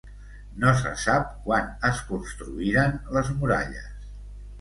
No se sap quan es construïren les muralles.